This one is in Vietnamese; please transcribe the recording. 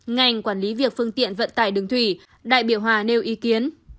ngành quản lý việc phương tiện vận tải đường thủy đại biểu hòa nêu ý kiến